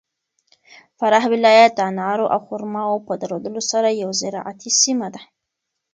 فراه ولایت د انارو او خرماوو په درلودلو سره یو زراعتي سیمه ده.